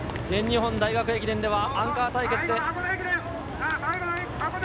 全日本大学駅伝ではアンカー対決で。